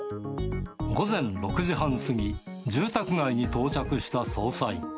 午前６時半過ぎ、住宅街に到着した捜査員。